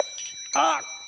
あっ！